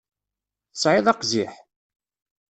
Tesɛiḍ aqziḥ?